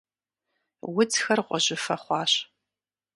Удзхэр гъуэжьыфэ хъуащ.